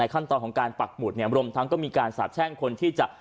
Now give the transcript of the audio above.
ขั้นตอนของการปักหมุดเนี่ยรวมทั้งก็มีการสาบแช่งคนที่จะ